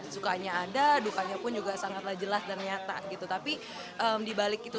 sukanya ada dukanya pun juga sangatlah jelas dan nyata gitu